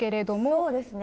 そうですね。